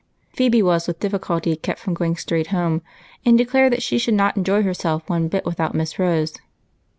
Phebe was with difiiculty kept from going straight home, and declared that she should not enjoy herself one bit without Miss Rose.